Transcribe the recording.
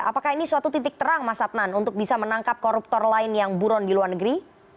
apakah ini suatu titik terang mas adnan untuk bisa menangkap koruptor lain yang buron di luar negeri